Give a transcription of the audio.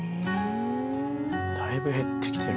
だいぶ減ってきてる。